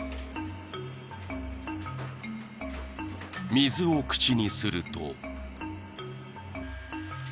［水を口にすると］